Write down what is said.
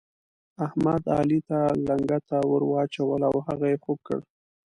احمد، علي ته لنګته ور واچوله او هغه يې خوږ کړ.